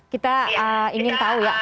kita ingin tahu ya